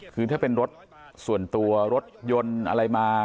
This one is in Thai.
คือถ้าเป็นรถส่วนตัวรถยนต์อะไรมา